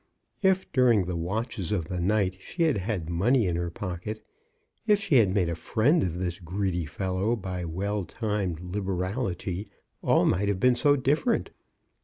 If during the watches of the night she had had money in her pocket, if she had made a friend of this greedy fellow by well timed liberality, all might have been so differ ent!